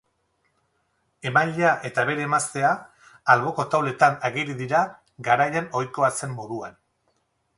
Emailea eta bere emaztea alboko tauletan ageri dira, garaian ohikoa zen moduan.